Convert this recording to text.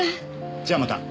じゃあまた。